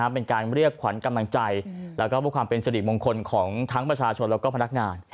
เป็นการเรียกขวัญกำลังใจและพลังความเป็นสถิติมงคลของทั้งประชาชนและพนักงาน